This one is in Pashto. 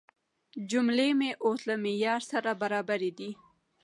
جملې مې اوس له معیار سره برابرې دي.